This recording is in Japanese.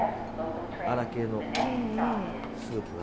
アラ系のスープが。